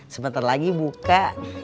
sebentar lagi buka